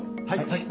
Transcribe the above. はい。